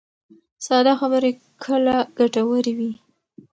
ساده خبرې کله ګټورې وي.